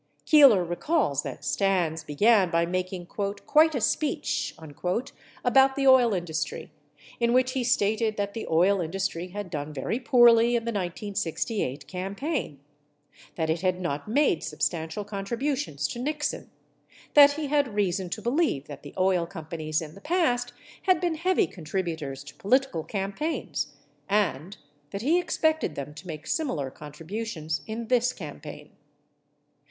Keeler recalls that Stans began by making "quite a speech" about the oil industry, in which he stated that the oil industry had done very poorly in the 1968 campaign; that it had not made substantial contributions to Nixon; that he had reason to believe that the oil companies in the past had been heavy contributors to political campaigns ; and that he expected them to make similar contributions in this campaign.